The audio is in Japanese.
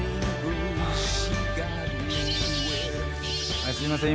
はいすいません。